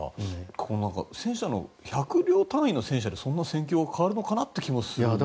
１００両単位の戦車でそんな戦況が変わるのかなという気もするんですが。